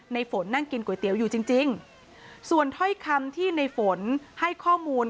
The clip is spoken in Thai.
ฝนนั่งกินก๋วยเตี๋ยวอยู่จริงส่วนถ้อยคำที่ในฝนให้ข้อมูล